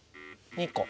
２個。